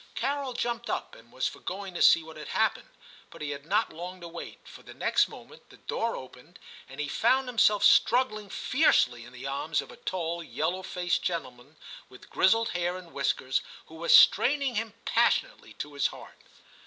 Carol jumped up and was for going to see what had happened ; but he had not long to wait, for the next moment the door opened, and he found himself struggling fiercely in the arms of a tall yellow faced gentleman, with grizzled hair and whiskers, who was straining him passionately to his heart.